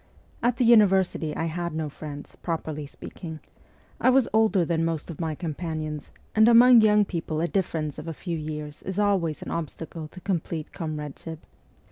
At the university I had no friends, properly speaking ; I was older than most of my companions, and among young people a difference of a few years is always an obstacle to complete comrade ship.